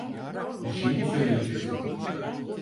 Bir şey mi söyleyeceksin?